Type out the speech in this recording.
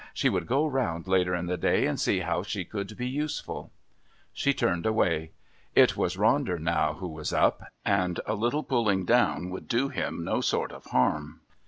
She would go round later in the day and see how she could be useful. She turned away. It was Ronder now who was "up"...and a little pulling down would do him no sort of harm.